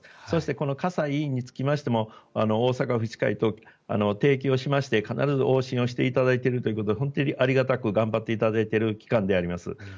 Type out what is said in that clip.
そして、葛西医院につきましても大阪府医師会と提携をしまして必ず往診をしていただいているということで本当にありがたく頑張っていただいている機関であります。